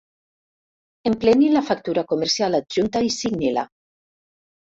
Empleni la factura comercial adjunta i signi-la.